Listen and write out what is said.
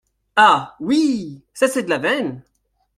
Ah ! oui !… ça c’est de la veine !